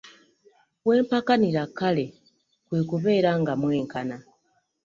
We mpakanira kale kwe kubeera nga mwenkana.